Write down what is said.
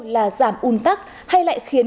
là giảm un tắc hay lại khiến